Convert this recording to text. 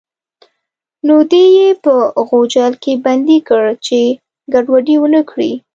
نو دی یې په غوجل کې بندي کړ چې ګډوډي ونه کړي.